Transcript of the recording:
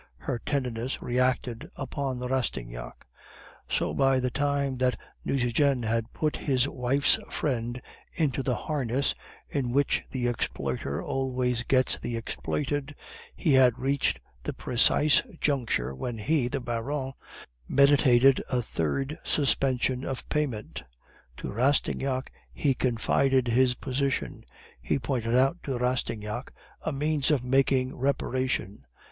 Her tenderness reacted upon Rastignac. So by the time that Nucingen had put his wife's friend into the harness in which the exploiter always gets the exploited, he had reached the precise juncture when he (the Baron) meditated a third suspension of payment. To Rastignac he confided his position; he pointed out to Rastignac a means of making 'reparation.